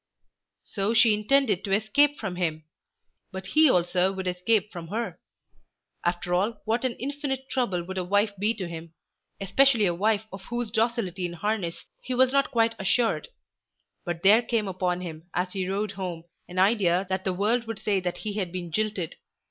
So she intended to escape from him! But he also would escape from her. After all, what an infinite trouble would a wife be to him, especially a wife of whose docility in harness he was not quite assured. But there came upon him as he rode home an idea that the world would say that he had been jilted.